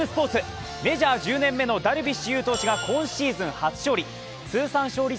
メジャー１０年目のダルビッシュ有選手が今シーズン初勝利。